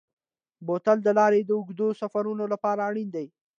بوتل د لارې د اوږدو سفرونو لپاره اړین دی.